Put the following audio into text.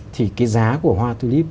thì cái giá của hoa tulip